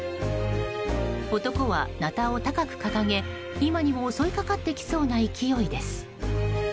男はナタを高く掲げ今にも襲いかかってきそうな勢いです。